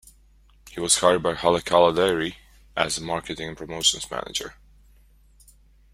He was hired by Haleakala Dairy as a marketing and promotions manager.